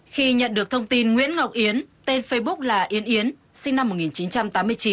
khi nhận được thông tin nguyễn ngọc yến tên facebook là yến sinh năm một nghìn chín trăm tám mươi chín